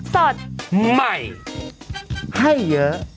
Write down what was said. สดใหม่ให้เยอะ